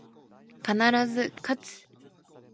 必ず、かつ